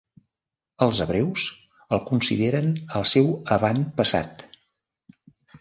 Els hebreus el consideren el seu avantpassat.